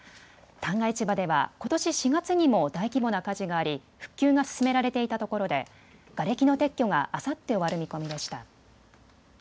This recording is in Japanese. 旦過市場では、ことし４月にも大規模な火事があり復旧が進められていたところでがれきの撤去があさって終わる見込みでした。